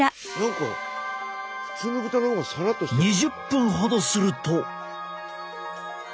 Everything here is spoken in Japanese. ２０分ほどすると。